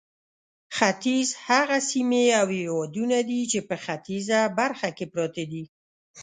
ختیځ هغه سیمې او هېوادونه دي چې په ختیځه برخه کې پراته دي.